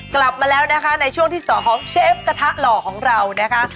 กลับมาแล้วนะคะในช่วงที่สองของเชฟกระทะหล่อของเรานะคะ